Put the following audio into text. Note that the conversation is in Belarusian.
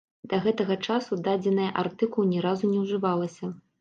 Да гэтага часу дадзеная артыкул ні разу не ўжывалася.